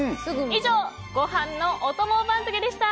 以上、ご飯のお供番付でした。